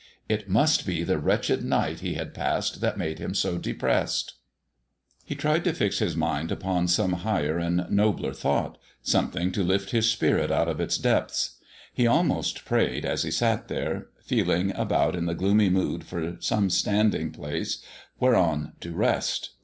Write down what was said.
It must be the wretched night he had passed that made him so depressed. He tried to fix his mind upon some higher and nobler thought something to lift his spirit out of its depths. He almost prayed as he sat there, feeling about in the gloomy mood for some standing place whereon to rest.